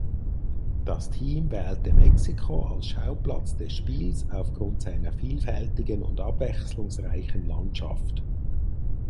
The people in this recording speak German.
Das Team wählte Mexiko als Schauplatz des Spiels aufgrund seiner vielfältigen und abwechslungsreichen Landschaft.